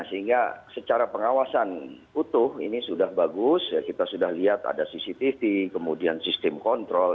sehingga secara pengawasan utuh ini sudah bagus kita sudah lihat ada cctv kemudian sistem kontrol